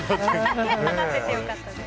話せてよかったです。